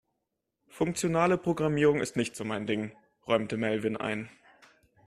Funktionale Programmierung ist nicht so mein Ding, räumte Melvin ein.